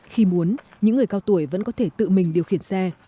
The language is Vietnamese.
khi muốn những người cao tuổi vẫn có thể tự mình điều khiển xe